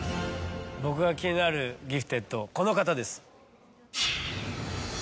僕が気になるギフテッドこの方です。